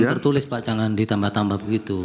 tertulis pak jangan ditambah tambah begitu